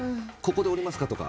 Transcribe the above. ここで降りますかとか。